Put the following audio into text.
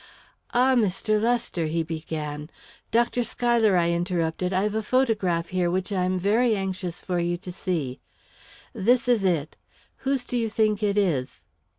"Ah, Mr. Lester," he began. "Dr. Schuyler," I interrupted, "I've a photograph here which I'm very anxious for you to see. This is it whose do you think it is?"